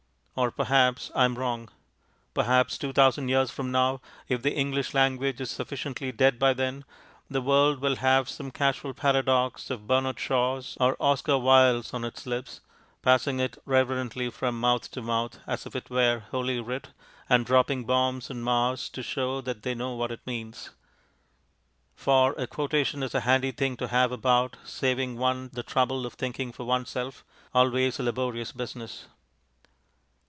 Or perhaps I am wrong. Perhaps two thousand years from now, if the English language is sufficiently dead by then, the world will have some casual paradox of Bernard Shaw's or Oscar Wilde's on its lips, passing it reverently from mouth to mouth as if it were Holy Writ, and dropping bombs on Mars to show that they know what it means. For a quotation is a handy thing to have about, saving one the trouble of thinking for oneself, always a laborious business.